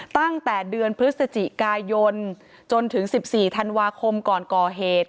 ตั้งแต่เดือนพฤศจิกายนจนถึง๑๔ธันวาคมก่อนก่อเหตุ